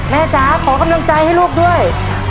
จ๋าขอกำลังใจให้ลูกด้วย